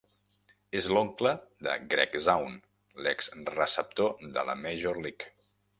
És l'oncle de Gregg Zaun, l'ex receptor de la Major League.